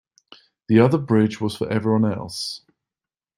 The other bridge was for everyone else.